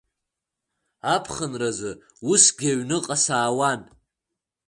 Аԥхынразы усгьы аҩныҟа саауан.